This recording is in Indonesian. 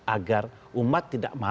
agar umat tidak marah